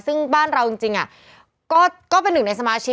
ซึ่งบ้านเราจริงก็เป็นหนึ่งในสมาชิก